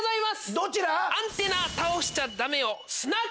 どちら？